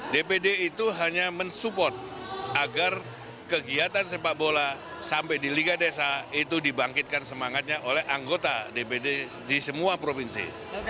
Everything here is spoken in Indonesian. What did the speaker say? dpd itu hanya mensupport agar kegiatan sepak bola sampai di liga desa itu dibangkitkan semangatnya oleh anggota dpd di semua provinsi